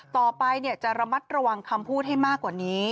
ต่อไปจะระมัดระวังคำพูดให้มากกว่านี้